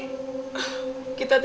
mami lagi sedih